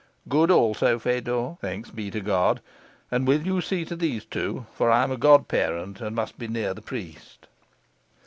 "Good also, Fedor, thanks be to God. And will you see to these two? for I am a godparent, and must be near the priest."